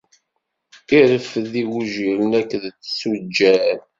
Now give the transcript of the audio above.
Ireffed igujilen akked tuǧǧal.